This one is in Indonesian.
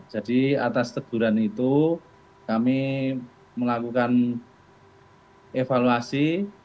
jadi atas teguran itu kami melakukan evaluasi